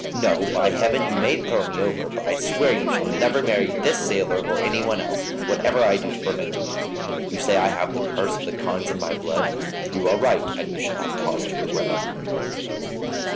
No, by Heaven; you may throw me over, but I swear you shall never marry this sailor or any one else, whatever I do to prevent it. You say I have the curse of the Carnes in my blood. You are right, and you shall have cause to regret it."